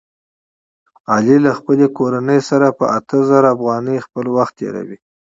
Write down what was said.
علي له خپلې کورنۍ سره په اته زره افغانۍ خپل وخت تېروي.